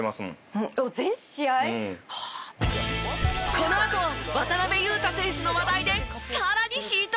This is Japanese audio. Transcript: このあと渡邊雄太選手の話題でさらにヒートアップ！